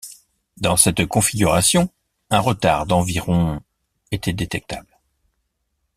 Dans cette configuration, un retard d'environ était détectable.